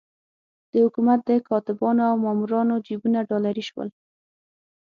د حکومت د کاتبانو او مامورانو جېبونه ډالري شول.